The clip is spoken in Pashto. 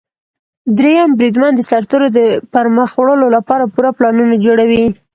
دریم بریدمن د سرتیرو د پرمخ وړلو لپاره پوره پلانونه جوړوي.